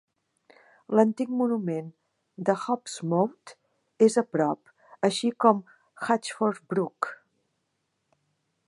L'antic monument de Hob's Moat és a prop, així com Hatchford Brook.